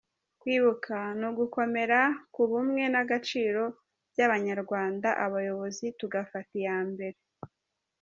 Kwibuka ni ugukomera ku bumwe n'agaciro by'Abanyarwanda, abayobozi tugafata iya mbere.